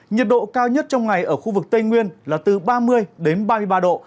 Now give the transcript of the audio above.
nhiệt độ cao nhất trong ngày ở khu vực tây nguyên là từ ba mươi ba mươi ba độ